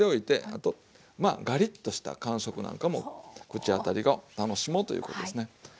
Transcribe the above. あとまあガリッとした感触なんかも口当たりを楽しもうということですね。